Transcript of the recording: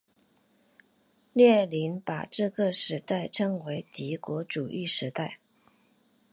列宁把这个时代称为帝国主义时代。